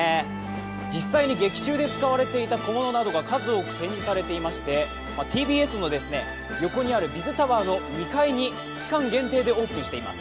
実際に劇中で使われていた小物などが数多く展示されてましてＴＢＳの横にあるＢｉｚタワーの２階に期間限定でオープンしています。